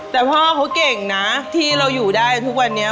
แต่พ่อเขาเก่งนะที่เราอยู่ได้ทุกวันนี้